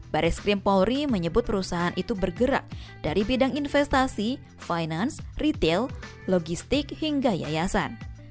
baris krim polri menyebut perusahaan itu bergerak dari bidang investasi finance retail logistik hingga yayasan